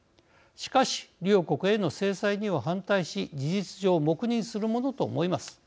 しかし、両国への制裁には反対し事実上、黙認するものと思います。